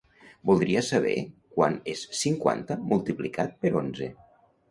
Voldria saber quant és cinquanta multiplicat per onze.